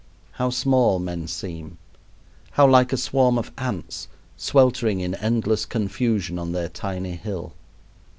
How small men seem, how like a swarm of ants sweltering in endless confusion on their tiny hill!